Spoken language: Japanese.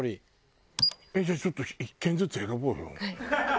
じゃあちょっと１軒ずつ選ぼうよ。